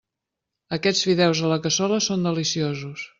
Aquests fideus a la cassola són deliciosos.